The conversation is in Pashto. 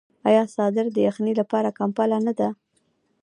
آیا څادر د یخنۍ لپاره کمپله نه ده؟